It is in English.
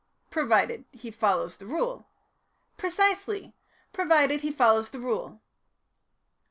"Provided he follows the Rule." "Precisely provided he follows the Rule."